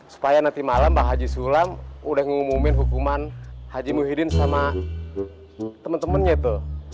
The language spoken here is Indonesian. supaya nanti malam pak haji sulam udah ngumumin hukuman haji muhyiddin sama temen temennya tuh